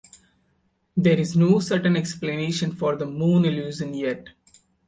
There is no certain explanation for the moon illusion yet.